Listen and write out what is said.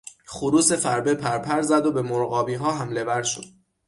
خروس فربه پرپر زد و به مرغابیها حملهور شد.